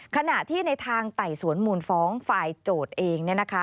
ขณะที่ในทางไต่สวนมูลฟ้องฝ่ายโจทย์เอง